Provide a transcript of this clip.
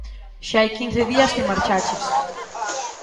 Xa hai quince días que marchaches.